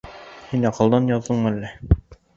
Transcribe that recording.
Һин аҡылдан яҙҙыңмы әллә?